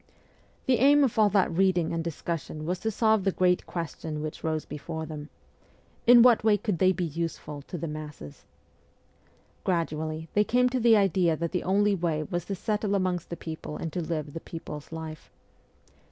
The aim of all that reading and discussion was to solve the great question which rose before them : In what way could they be useful to the masses? Gradually, they came to the idea that the only way was to settle amongst the people and to live the people's life.